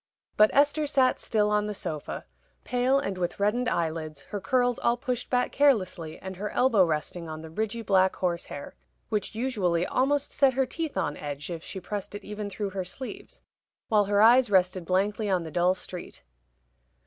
But Esther sat still on the sofa pale and with reddened eyelids, her curls all pushed back carelessly, and her elbow resting on the ridgy black horsehair, which usually almost set her teeth on edge if she pressed it even through her sleeve while her eyes rested blankly on the dull street.